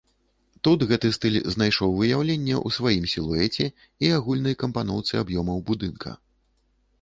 Тут гэты стыль знайшоў выяўленне ў сваім сілуэце і агульнай кампаноўцы аб'ёмаў будынка.